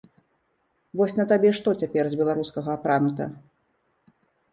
Вось на табе што цяпер з беларускага апранута?